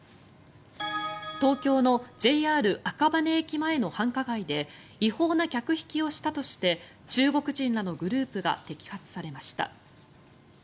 東京のＪＲ赤羽駅前の繁華街で違法な客引きをしたとして中国人らのグループが摘発されました。